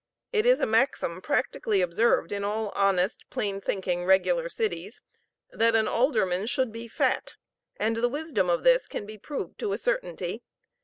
It is a maxim practically observed in all honest, plain thinking, regular cities, that an alderman should be fat; and the wisdom of this can be proved to a certainty.